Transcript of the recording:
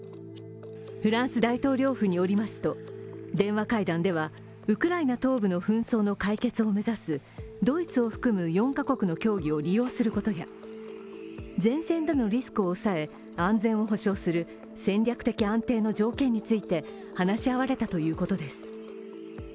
フランス大統領府によりますと電話会談ではウクライナ東部の紛争の解決を目指すドイツを含む４カ国の協議を利用することや前線でのリスクを抑え、安全を保障する戦略的安定の条件について話し合われたということです。